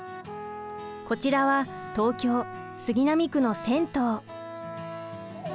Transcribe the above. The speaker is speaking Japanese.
こちらは東京・杉並区の銭湯。